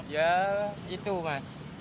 ya itu mas